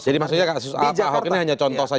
jadi maksudnya kasus pak ahok ini hanya contoh saja